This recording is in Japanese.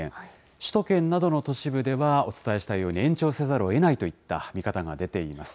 首都圏などの都市部では、お伝えしたように延長せざるをえないといった見方が出ています。